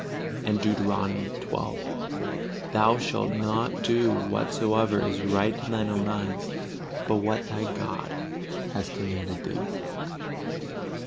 And Deuteronomy xii: "Thou shalt not do whatsoever is right in thine own eyes, but what thy God has commanded thee."